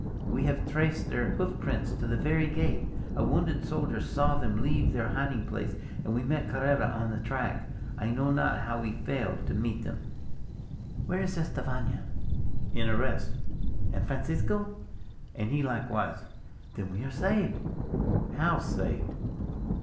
We have traced their hoof tracks to the very gate. A wounded soldier saw them leave their hiding place, and we met Carrera on their track. I know not how we failed to meet them." "Where is Estefania?" "In arrest." "And Francisco?" "And he likewise." "Then we are saved." "How saved?"